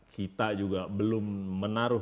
kita juga belum menaruh